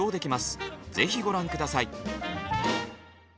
ぜひご覧下さい。